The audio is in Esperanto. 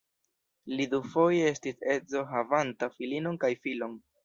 Li dufoje estis edzo havanta filinon kaj filon.